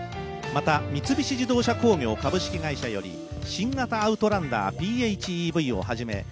三菱自動車工業株式会社より新型アウトランダーＰＨＥＶをはじめ